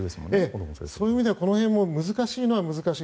そういう意味では、この辺も難しいのは難しい。